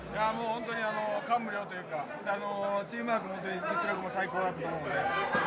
感無量というかチームワークも実力も最高だったと思うんで。